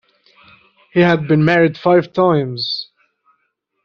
He had been married five times.